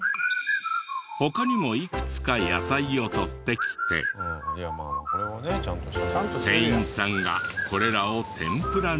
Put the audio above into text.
他にもいくつか野菜を取ってきて店員さんがこれらを天ぷらに。